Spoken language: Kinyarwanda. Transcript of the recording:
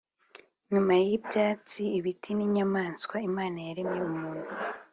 nyuma y ibyatsi ibiti n inyamaswa Imana yaremye umuntu